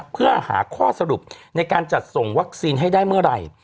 เพื่อหาข้อสรุปในการจัดส่งวัคซีนให้ได้เมื่อไหร่